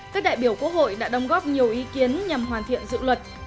các đại biểu quốc hội đã đồng góp nhiều ý kiến nhằm hoàn thiện dự luật